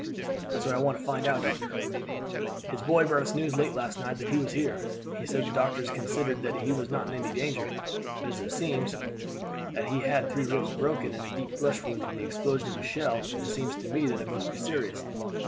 "That's want I want to find out, doctor. His boy brought us news late last night that he was here. He said the doctors considered that he was not in any danger; but as it seems that he had three ribs broken and a deep flesh wound from the explosion of a shell, it seems to me that it must be serious."